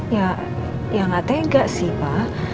ya ya nggak tega sih pak